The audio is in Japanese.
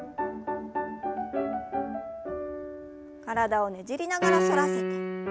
体をねじりながら反らせて。